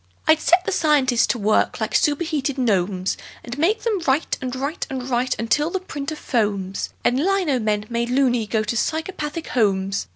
I'd set the scientists to work like superheated gnomes, And make them write and write and write until the printer foams And lino men, made "loony", go to psychopathic homes.